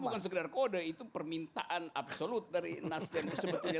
bukan sekedar kode itu permintaan absolut dari nasdem sebetulnya